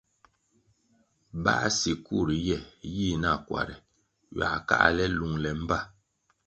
Báh sikur ye yih nakuare ywiah káhle lungle mbpa.